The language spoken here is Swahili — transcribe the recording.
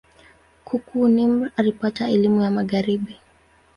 Kukua, Nimr alipata elimu ya Magharibi.